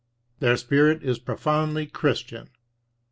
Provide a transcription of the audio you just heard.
Their spirit is profoundly Christian.